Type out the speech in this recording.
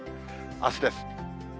あすです。